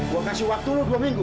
gue kasih waktu lo dua minggu